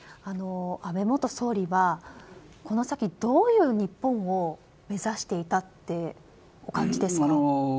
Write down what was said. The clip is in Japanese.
安倍元総理はこの先、どういう日本を目指していたとお感じですか。